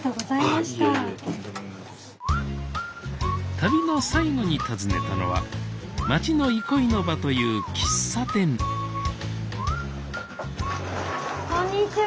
旅の最後に訪ねたのは町の憩いの場という喫茶店・こんにちは。